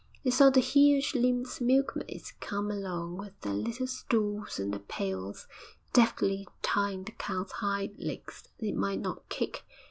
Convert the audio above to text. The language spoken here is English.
They saw the huge limbed milkmaids come along with their little stools and their pails, deftly tying the cow's hind legs that it might not kick.